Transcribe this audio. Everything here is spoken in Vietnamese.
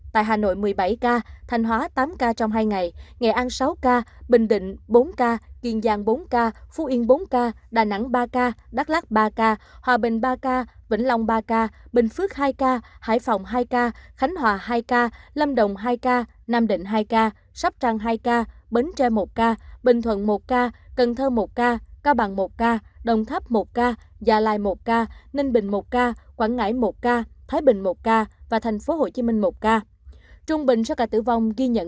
tại hà nội một mươi bảy ca thành hóa tám ca trong hai ngày nghệ an sáu ca bình định bốn ca kiên giang bốn ca phú yên bốn ca đà nẵng ba ca đắk lát ba ca hòa bình ba ca vĩnh long ba ca bình phước hai ca hải phòng hai ca khánh hòa hai ca lâm đồng hai ca nam định hai ca sắp trăng hai ca bến tre một ca bình thuận một ca cần thơ một ca cao bằng một ca đồng tháp một ca gia lai một ca ninh bình một ca quảng ngãi một ca thái bình một ca và thành phố hồ chí minh